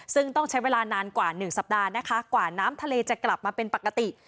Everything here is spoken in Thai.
ซึ่งต้องใช้เวลานานกว่า๑สัปดาห์นะคะกว่าน้ำทะเลจะกลับมาเป็นปกติ